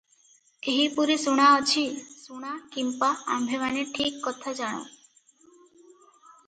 ଏହିପରି ଶୁଣାଅଛି--ଶୁଣା କିମ୍ପା ଆମ୍ଭେମାନେ ଠିକ୍ କଥା ଜାଣୁ